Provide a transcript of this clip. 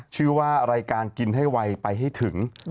ชื่อว่ารายการกินให้ไวไปให้ถึง